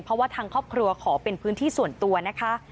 เพราะว่าทางครอบครัวขอเป็นพื้นที่ส่วนตัวนะคะ